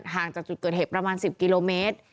ห่างจากจุดเกิดเหตุประมาณ๑๐กิโลเมตร